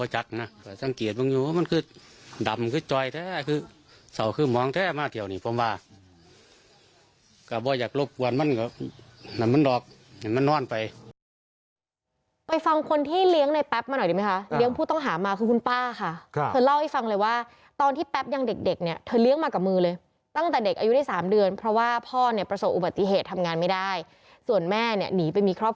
เหมือนมันนอนไป